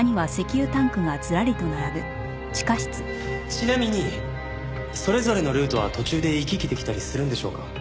ちなみにそれぞれのルートは途中で行き来できたりするんでしょうか？